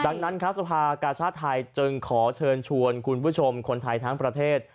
ดังนั้นครับสภากาชาติไทยจึงขอเชิญชวนคุณผู้ชมคนไทยทั้งประเทศ